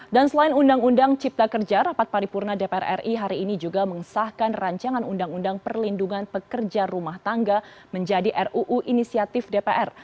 dan selain undang undang cipta kerja rapat paripurna dpr ri hari ini juga mengisahkan rancangan undang undang perlindungan pekerja rumah tangga menjadi ruu inisiatif dpr